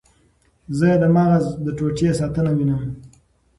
زه د مغز د ټوټې ساتنه وینم.